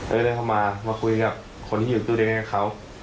เอิร์ทก็เดินเข้ามามาคุยกับคนที่อยู่ตู้นี้กับเขา